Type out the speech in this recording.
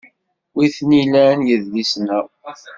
Wi t-nilan yedlisen-a?